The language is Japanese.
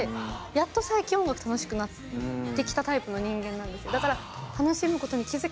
やっと最近音楽楽しくなってきたタイプの人間なんです。